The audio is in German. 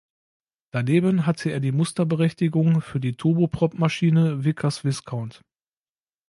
Daneben hatte er die Musterberechtigung für die Turbopropmaschine Vickers Viscount.